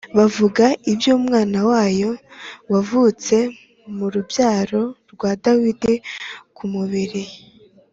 buvuga iby’Umwana wayo wavutse mu rubyaro rwa Dawidi ku mubiri,